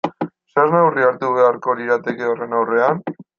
Zer neurri hartu beharko lirateke horren aurrean?